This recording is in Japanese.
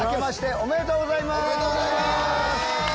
おめでとうございます。